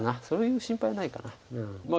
そういう心配はないかな。